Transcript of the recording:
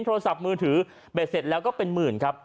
โทรศัพท์มือถือเบ็ดเสร็จแล้วก็เป็นหมื่นครับ